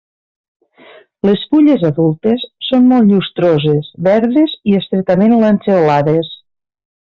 Les fulles adultes són molt llustroses, verdes i estretament lanceolades.